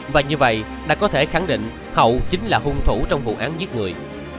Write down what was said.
và như vậy đã có thể khẳng định hậu chính là hung thủ trong vụ án giết người